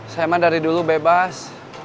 saya mah dari dulu bebas